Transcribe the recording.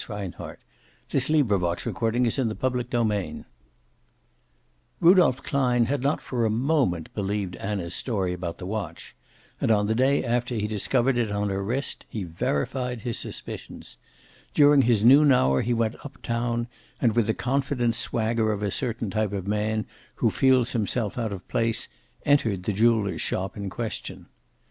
He shook himself violently. When a man got sorry for himself CHAPTER XX Rudolph Klein had not for a moment believed Anna's story about the watch, and on the day after he discovered it on her wrist he verified his suspicions. During his noon hour he went up town and, with the confident swagger of a certain type of man who feels himself out of place, entered the jeweler's shop in question.